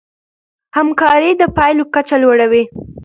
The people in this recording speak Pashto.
همکاري د پايلو کچه لوړوي.